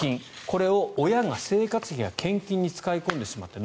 これを親が生活費や献金に使い込んでしまった。